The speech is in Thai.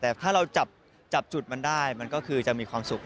แต่ถ้าเราจับจุดมันได้มันก็คือจะมีความสุข